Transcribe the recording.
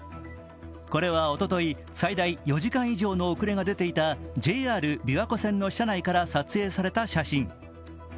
これはおととい、最大４時間以上の遅れが出ていたＪＲ琵琶湖線の車内から撮影された写真。